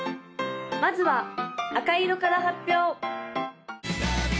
・まずは赤色から発表！